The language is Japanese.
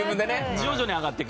徐々に上がっていく。